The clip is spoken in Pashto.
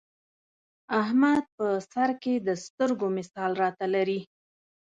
احمد په سرکې د سترګو مثال را ته لري.